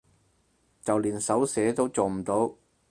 就連手寫都做唔到